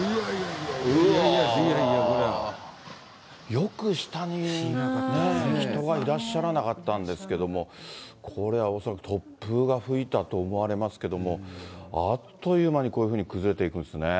よく下に人がいらっしゃらなかったんですけれども、これは恐らく突風が吹いたと思われますけれども、あっという間にこういうふうに崩れていくんですね。